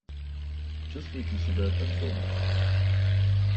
Чувствуйте себя, как дома.